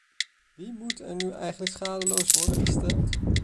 Wie moet er nu eigenlijk schadeloos worden gesteld?